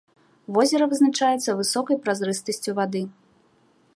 Возера вызначаецца высокай празрыстасцю вады.